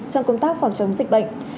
trong công tác phòng chống dịch bệnh